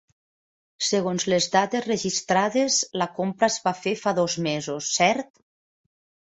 Segons les dades registrades, la compra es va fer fa dos mesos, cert?